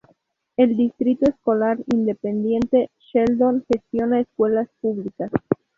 El Distrito Escolar Independiente Sheldon gestiona escuelas públicas.